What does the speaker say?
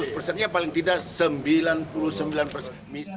seratus persennya paling tidak sembilan puluh sembilan persen